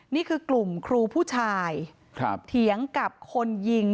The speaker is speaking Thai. นี่คือกลุ่มครูผู้ชายเถียงกับคนยิง